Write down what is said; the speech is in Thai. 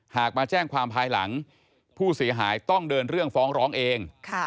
มาแจ้งความภายหลังผู้เสียหายต้องเดินเรื่องฟ้องร้องเอง